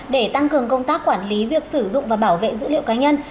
để tăng cường công tác quản lý việc sử dụng và bảo vệ dữ liệu cá nhân